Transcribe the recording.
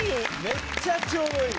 めっちゃちょうどいい。